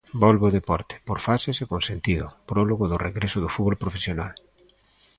Volve o deporte, por fases e con sentido, prólogo do regreso do fútbol profesional.